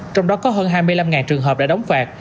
trong đó có hơn hai mươi năm trường hợp đã đóng phạt